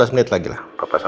lima belas menit lagi lah